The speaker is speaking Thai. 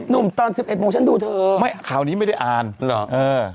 นุ่มตอน๑๑โมงฉันดูเถอะข่นี้ไม่ได้อ่านหรอ